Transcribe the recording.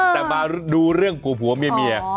แต่มาดูเรื่องผัวเมีย